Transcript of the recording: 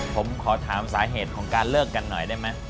ผมขอถามสาเหตุของการเลิกกันหน่อยได้ไหม